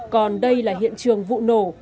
còn đây là hiện trường vụ nổ